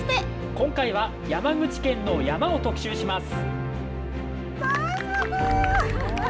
今回は山口県の山を特集します到着！